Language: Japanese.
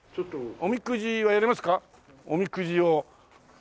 おみくじを。